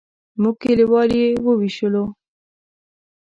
موږ کلیوال یې وویشلو.